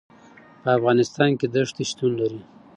په افغانستان کې دښتې شتون لري.